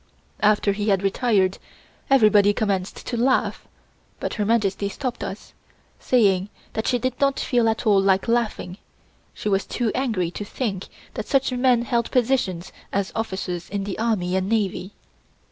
After he had retired, everybody commenced to laugh, but Her Majesty stopped us, saying that she did not feel at all like laughing, she was too angry to think that such men held positions as officers in the army and navy.